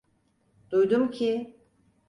Duydum ki…